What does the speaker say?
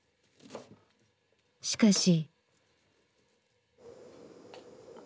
しかし。